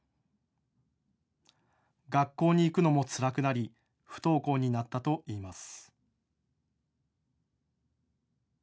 学校に行くのもつらくなり不登校になったといいます。